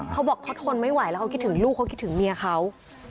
เขาบอกเขาทนไม่ไหวแล้วเขาคิดถึงลูกเขาคิดถึงเมียเขา